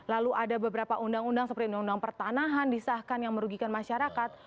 lalu ada beberapa undang undang seperti undang undang pertanahan disahkan yang merugikan masyarakat